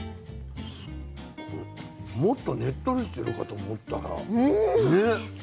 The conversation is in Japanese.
もっとねっとりしてるかと思ったらね